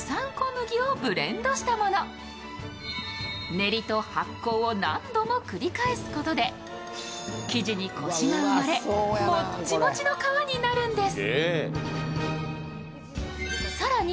練りと発酵を何度も繰り返すことで生地にコシが生まれモッチモチの皮になるんです。